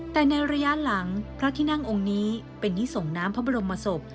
แต่ในระยะหลังพระที่นั่งองค์นี้เป็นที่ส่งน้ำพระบรมศพ